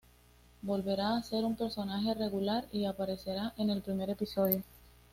Volverá a ser un personaje regular y aparecerá en el primer episodio.